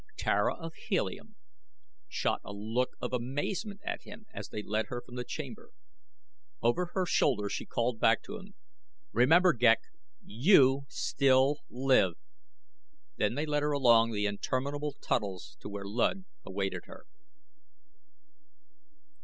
Tara of Helium shot a look of amazement at him as they led her from the chamber. Over her shoulder she called back to him: "Remember, Ghek, you still live!" Then they led her along the interminable tunnels to where Luud awaited her.